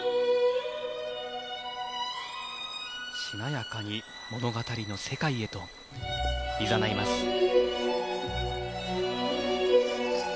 しなやかに物語の世界へといざないます。